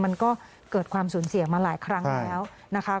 มันก็เกิดความสูญเสียมาหลายครั้งแล้วนะคะ